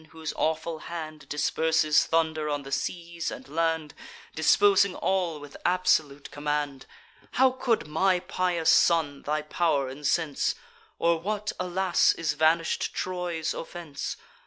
whose awful hand Disperses thunder on the seas and land, Disposing all with absolute command; How could my pious son thy pow'r incense? Or what, alas! is vanish'd Troy's offence?